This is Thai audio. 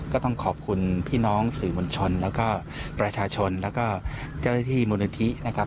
ก็ต้องขอบคุณพี่น้องสื่อมวลชนแล้วก็ประชาชนแล้วก็เจ้าหน้าที่มูลนิธินะครับ